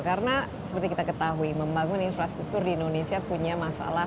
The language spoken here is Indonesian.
karena seperti kita ketahui membangun infrastruktur di indonesia punya masalah